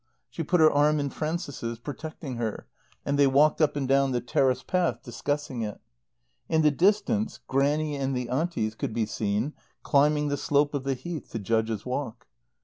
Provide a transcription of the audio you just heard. She put her arm in Frances's, protecting her, and they walked up and down the terrace path, discussing it. In the distance Grannie and the Aunties could be seen climbing the slope of the Heath to Judges' Walk.